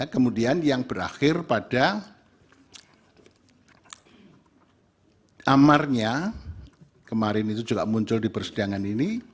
kemudian yang berakhir pada amarnya kemarin itu juga muncul di persidangan ini